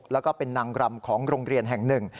แล้วก็เป็นนางรำของโรงเรียนแห่งหนึ่ง